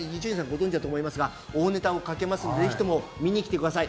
ご存じだと思いますが大ネタをかけますのでぜひとも見に来てください。